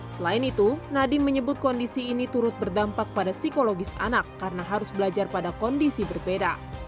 selain itu nadiem menyebut kondisi ini turut berdampak pada psikologis anak karena harus belajar pada kondisi berbeda